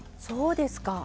そうですか。